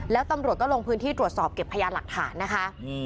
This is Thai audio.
แล้วตำรวจก็ลงพื้นที่ตรวจสอบเก็บพยานหลักฐานนะคะ